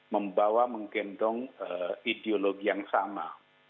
membawa menggendong ideologi yang sama